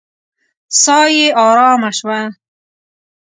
ساه يې آرامه شوه.